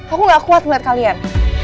aku gak kuat ngeliat kalian